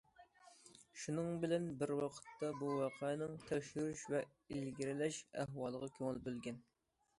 شۇنىڭ بىلەن بىر ۋاقىتتا بۇ ۋەقەنىڭ تەكشۈرۈش ۋە ئىلگىرىلەش ئەھۋالىغا كۆڭۈل بۆلگەن.